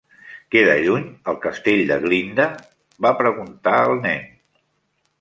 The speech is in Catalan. Queda lluny, el Castell de Glinda? va preguntar el nen.